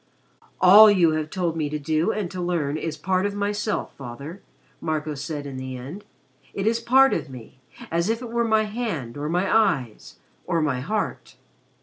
"All you have told me to do and to learn is part of myself, Father," Marco said in the end. "It is part of me, as if it were my hand or my eyes or my heart."